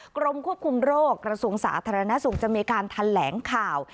กรมควบคุมโรคกระทรวงสาธารณสุขจะมีการแถลงข่าว